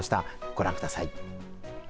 ご覧ください。